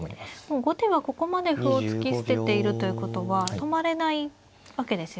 もう後手はここまで歩を突き捨てているということは止まれないわけですよね。